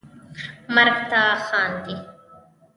مرګ ته خاندي